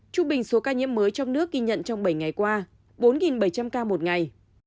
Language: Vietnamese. trung bình số ca nhiễm mới trong nước ghi nhận trong bảy ngày qua bốn bảy trăm linh ca một ngày